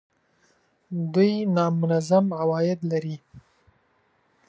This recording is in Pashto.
دوی نامنظم عواید لري